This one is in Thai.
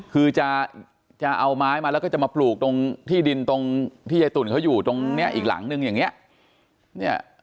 คือจะเอาไม้มาแล้วก็จะมาปลูกตรงที่ดินตรงที่ยายตุ๋นเขาอยู่ตรงนี้อีกหลังนึงอย่างนี้